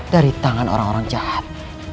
dari tangan orang orang jahat